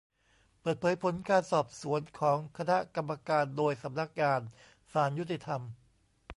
เปิดเผยผลการสอบสวน ของคณะกรรมการโดยสำนักงานศาลยุติธรรม